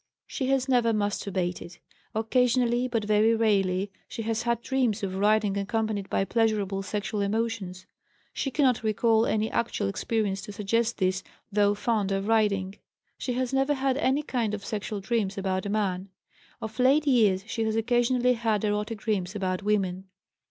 She has never masturbated. Occasionally, but very rarely, she has had dreams of riding accompanied by pleasurable sexual emotions (she cannot recall any actual experience to suggest this, though fond of riding). She has never had any kind of sexual dreams about a man; of late years she has occasionally had erotic dreams about women.